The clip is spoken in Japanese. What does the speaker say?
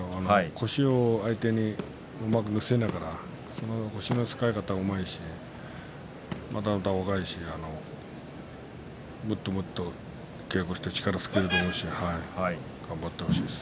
腰をうまく相手に乗せながら腰の使い方がうまいしまだまだ若いし、もっと稽古して力をつけることができると思うし頑張ってほしいです。